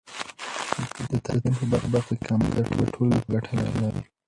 د تعلیم په برخه کې همکاري د ټولو لپاره ګټه لري.